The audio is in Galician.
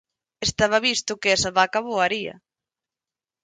Estaba visto que esa vaca voaría.